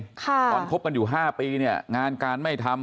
เมื่อการทรมานครับ๕ปีงานกานไม่ได้ทำ